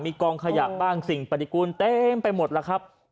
มีกองขยะบ้างสิ่งปฏิกูลเต็มไปหมดแล้วครับ